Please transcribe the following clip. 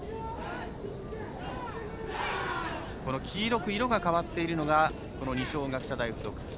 この黄色く色が変わっているのが二松学舎大付属。